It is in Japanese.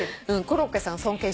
コロッケさんね。